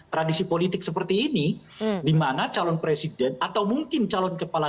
tradisi politik seperti ini dimana calon presiden atau mungkin calon kepala